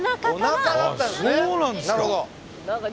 あそうなんですか。